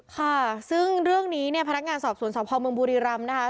ค่ะซึ่งเรื่องนี้เนี่ยพนักงานสอบสวนสพเมืองบุรีรำนะคะ